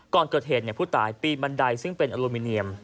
ก่อนเกิดเหตุผู้ตายปีนบันไดซึ่งเป็นอลูมิเนียม